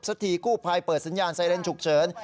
สักทีกู้พลายเปิดสัญญาณไซเรนจุกเฉิน